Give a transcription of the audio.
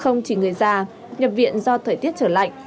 không chỉ người già nhập viện do thời tiết trở lạnh